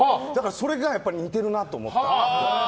それが似てるなと思って。